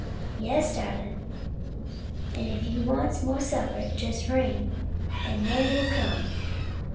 "Yes, darlin'; an' if you wants mo' supper, jes ring dis, an' mammy'll come."